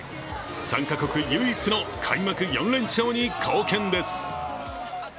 参加国唯一の開幕４連勝に貢献です